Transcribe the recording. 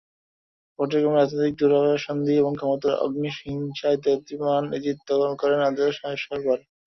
পর্যায়ক্রমে রাজনৈতিক দূরভিসন্ধি এবং ক্ষমতার অগ্নিহিংসায় দেদীপ্যমান এজিদ দখল করেন রাজ্যশাসন ভার।